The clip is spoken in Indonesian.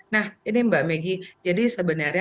nah ini mbak meggy jadi sepertinya